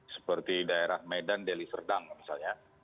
seperti daerah medan deli serdang misalnya